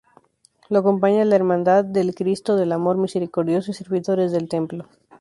Lo acompaña la Hermandad del Cristo del Amor Misericordioso y Servidores del Templo.